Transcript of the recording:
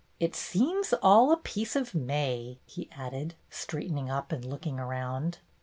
"It seems all a piece of May,'' he added, straightening up and looking around.